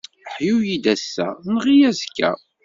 Ḥyu-yi-d ass-a, nneɣ-iyi azekka.